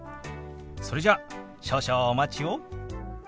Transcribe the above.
それじゃ少々お待ちを。